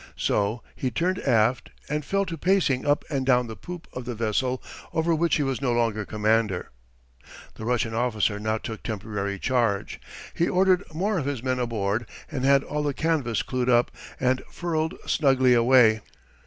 So he turned aft, and fell to pacing up and down the poop of the vessel over which he was no longer commander. The Russian officer now took temporary charge. He ordered more of his men aboard, and had all the canvas clewed up and furled snugly away.